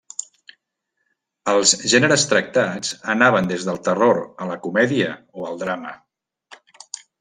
Els gèneres tractats anaven des del terror a la comèdia o el drama.